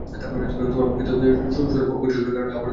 তোমার প্রকৃত স্বরূপ অপবিত্রতার আবরণে আবৃত রহিয়াছে।